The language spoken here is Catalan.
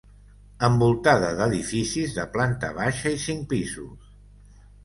Envoltada d'edificis de planta baixa i cinc pisos.